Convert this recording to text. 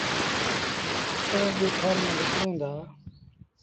ائيٚݩ ڳوٚٺآن ميݩ وڪڻيٚن دآ۔